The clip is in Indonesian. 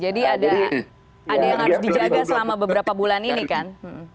jadi ada yang harus dijaga selama beberapa bulan ini kan